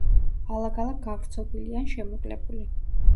ალაგ-ალაგ გავრცობილი ან შემოკლებული.